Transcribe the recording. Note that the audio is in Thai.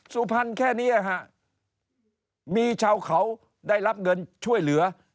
สุพรรณแค่นี้ฮะมีชาวเขาได้รับเงินช่วยเหลือ